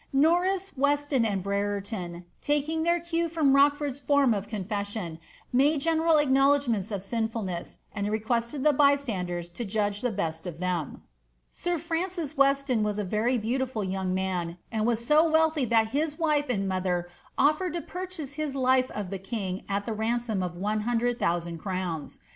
^' Norris, Weston, and Brereton, taking tlieir cue from Rochford^s ' form of confession, made general acknowledgments of sinfulness, and requested the bystanders to judge the best of them. Sir Francis Weston was a very beautiful young man, and so wealthy that his wife and mother ofllered to purchase his life of the king at the ransom of 100,000 crowns.